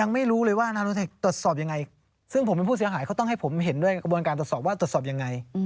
มีผู้เสียหายเขาต้องให้ผมเห็นด้วยกระบวนการตรวจสอบว่าตรวจสอบยังไง